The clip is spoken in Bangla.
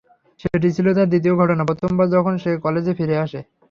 সেটি ছিল তার দ্বিতীয় ঘটনা, প্রথমবার যখন সে কলেজে ফিরে আসে।